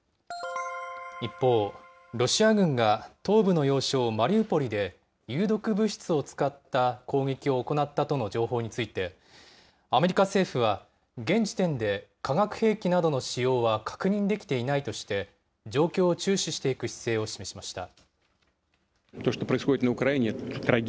一方、ロシア軍が東部の要衝マリウポリで、有毒物質を使った攻撃を行ったとの情報について、アメリカ政府は、現時点で化学兵器などの使用は確認できていないとして、状況を注視していく姿勢を示しました。